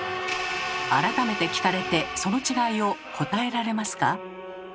改めて聞かれてその違いを答えられますか？